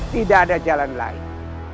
tidak ada jalan lain